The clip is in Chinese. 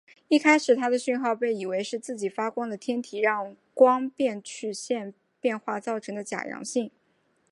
一开始它的讯号被认为是自己发光的天体让光变曲线变化造成的假阳性。